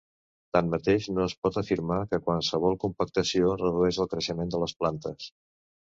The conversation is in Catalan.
Tanmateix no es pot afirmar que qualsevol compactació redueix el creixement de les plantes.